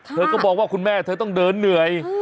เธอก็มองว่าคุณแม่เธอต้องเดินเหนื่อย